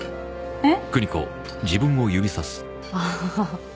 えっ？